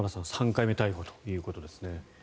３回目逮捕ということですね。